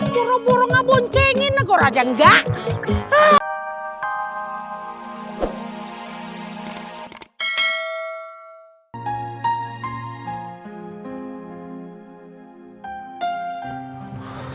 kurang kurang aboncengin nakor aja enggak